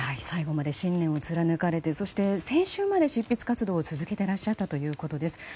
最後まで信念を貫かれてそして先週まで執筆活動を続けていらっしゃったということです。